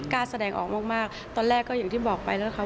กล้าแสดงออกมากมากตอนแรกก็อย่างที่บอกไปแล้วค่ะ